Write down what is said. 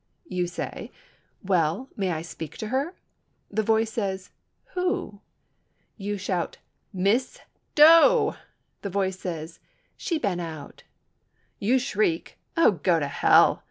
You say, "Well, may I speak to her?" The voice says, "Who?" You shout, "Miss Doe." The voice says, "She ban out." You shriek, "Oh, go to hell!"